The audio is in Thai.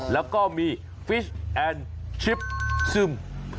แล้วก็มีฟิชแอนด์ชิปซึม